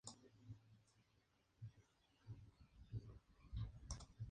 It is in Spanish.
Lindner nació en Wuppertal, Alemania.